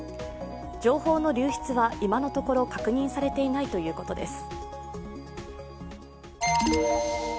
情報の流出は今のところ確認されていないということです。